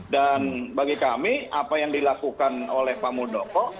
dan bagi kami apa yang dilakukan oleh pak muldoko